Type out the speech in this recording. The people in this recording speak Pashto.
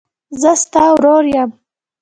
زه ستا ورور یم.